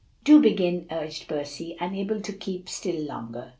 "Do begin," urged Percy, unable to keep still longer.